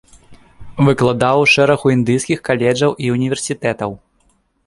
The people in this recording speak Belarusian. Выкладаў у шэрагу індыйскіх каледжаў і ўніверсітэтаў.